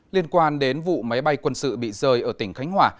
liên quan đến vụ máy bay quân sự bị rơi ở tỉnh khánh hòa